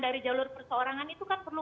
dari jalur perseorangan itu kan perlu